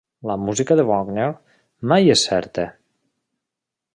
La música de Wagner mai és certa.